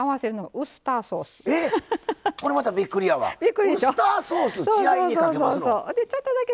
ウスターソース血合いにかけますの？